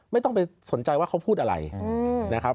ไม่ต้องไปสนใจว่าเขาพูดอะไรนะครับ